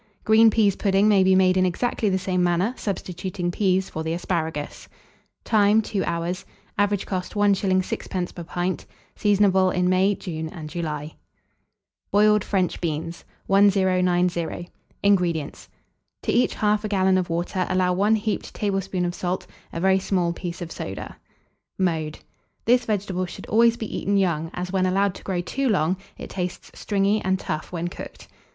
Green peas pudding may be made in exactly the same manner, substituting peas for the asparagus. Time. 2 hours. Average cost, 1s. 6d. per pint. Seasonable in May, June, and July. BOILED FRENCH BEANS. 1090. INGREDIENTS. To each 1/2 gallon of water allow 1 heaped tablespoonful of salt, a very small piece of soda. [Illustration: Scarlet Runner.] Mode. This vegetable should always be eaten young, as, when allowed to grow too long, it tastes stringy and tough when cooked.